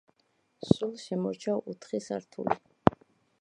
სულ შემორჩა ოთხი სართული.